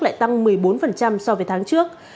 lại tăng một mươi bốn so với tháng trước